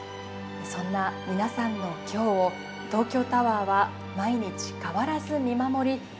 そんな皆さんのきょうを東京タワーは毎日変わらず見守り